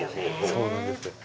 そうなんですよね。